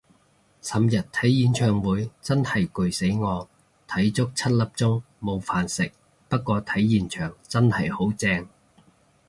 尋日睇演唱會真係攰死我，睇足七粒鐘冇飯食，不過睇現場真係好正